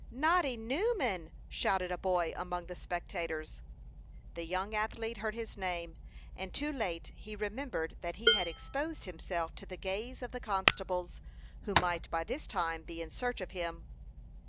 "Noddy Newman!" shouted a boy among the spectators. The young athlete heard his name, and too late he remembered that he had exposed himself to the gaze of the constables, who might by this time be in search of him.